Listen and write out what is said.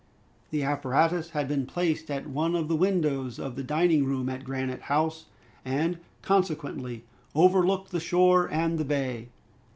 The apparatus had been placed at one of the windows of the dining room at Granite House, and consequently overlooked the shore and the bay.